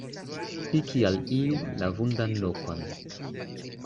Piki al iu la vundan lokon.